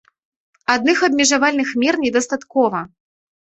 Адных абмежавальных мер недастаткова.